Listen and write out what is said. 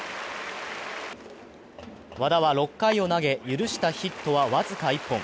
和田は６回を投げ許したヒットは僅か１本。